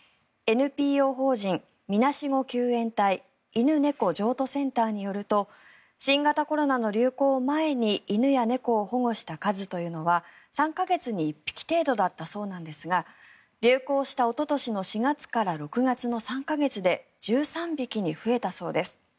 ＮＰＯ法人みなしご救援隊犬猫譲渡センターによると新型コロナの流行前に犬や猫を保護した数というのは３か月に１匹程度だったそうなんですが流行したおととしの４月から６月の３か月で１３匹に増えたそうです。